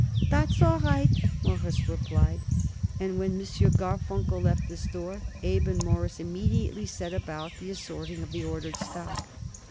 "That's all right," Morris replied, and when M. Garfunkel left the store Abe and Morris immediately set about the assorting of the ordered stock.